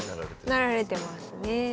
なられてますね。